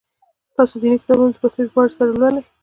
تاسو دیني کتابونه د پښتو ژباړي سره لولی؟